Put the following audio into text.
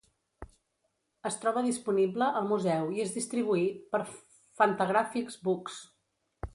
Es troba disponible al museu i és distribuït per Fantagraphics Books.